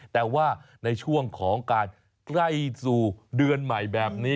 แต่ว่าในช่วงของการใกล้สู่เดือนใหม่แบบนี้